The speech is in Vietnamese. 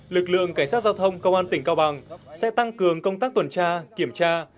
lực lượng cảnh sát giao thông công an tỉnh cao bằng sẽ tăng cường công tác tuần tra kiểm tra